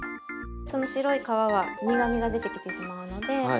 その白い皮は苦みが出てきてしまうので軽く。